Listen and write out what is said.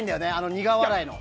苦笑いの。